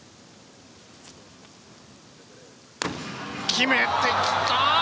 決めてきた！